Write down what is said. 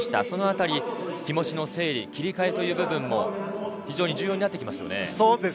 その辺り、気持ちの整理切り替えという部分も非常に重要になってきますよね。